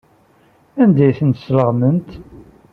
Anda ay tent-tesleɣmamt?